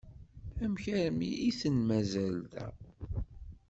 Amek armi iten-mazal da?